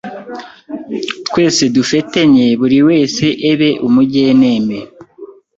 twese dufetenye buri wese ebe umujyeneme